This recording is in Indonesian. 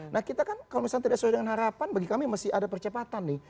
nah kita kan kalau misalnya tidak sesuai dengan harapan bagi kami masih ada percepatan nih